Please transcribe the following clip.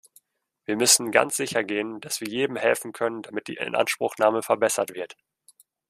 Wir müssen ganz sichergehen, dass wir jedem helfen können, damit die Inanspruchnahme verbessert wird.